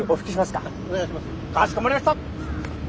かしこまりました！